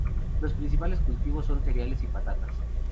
Los principales cultivos son cereales y patatas.